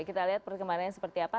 kita lihat perkembangannya seperti apa